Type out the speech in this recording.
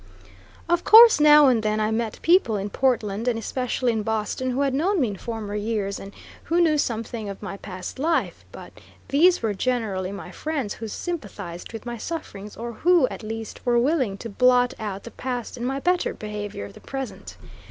Of course, now and then, I met people in Portland, and especially in Boston, who had known me in former years, and who knew something of my past life; but these were generally my friends who sympathized with my sufferings, or who, at least, were willing to blot out the past in my better behavior of the present.